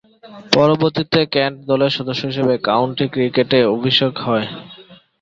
পরবর্তীতে কেন্ট দলের সদস্য হিসেবে কাউন্টি ক্রিকেটে অভিষেক ঘটে।